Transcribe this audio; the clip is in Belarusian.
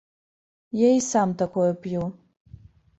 Я і сам такое п'ю.